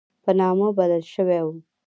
په نامه بلل شوی وو.